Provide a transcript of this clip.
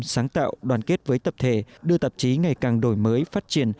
sáng tạo đoàn kết với tập thể đưa tạp chí ngày càng đổi mới phát triển